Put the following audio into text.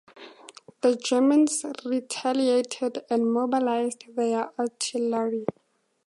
The Germans retaliated and mobilised their artillery.